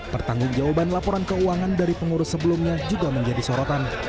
pertanggung jawaban laporan keuangan dari pengurus sebelumnya juga menjadi sorotan